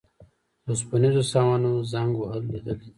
د اوسپنیزو سامانونو زنګ وهل لیدلي دي.